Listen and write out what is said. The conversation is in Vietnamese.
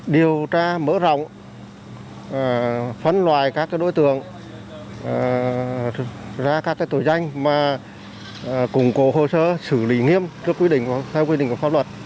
điều tra mở rộng phân loại các đối tượng ra các tổ danh mà củng cố hồ sơ xử lý nghiêm theo quy định của pháp luật